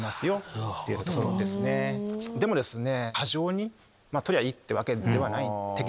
でもですね。